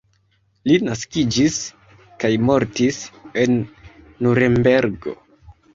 Li naskiĝis kaj mortis en Nurenbergo.